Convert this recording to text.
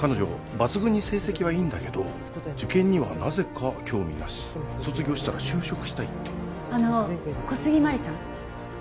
抜群に成績はいいんだけど受験にはなぜか興味なし卒業したら就職したいってあの小杉麻里さん？